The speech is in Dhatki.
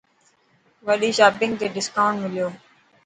وڏي شاپنگ تي دسڪائونٽ مليو.